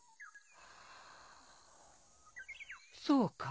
そうかい。